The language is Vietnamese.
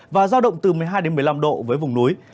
và giao động từ một mươi hai một mươi năm độ với vùng núi